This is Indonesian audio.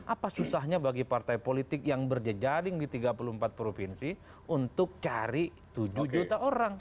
apa susahnya bagi partai politik yang berjejaring di tiga puluh empat provinsi untuk cari tujuh juta orang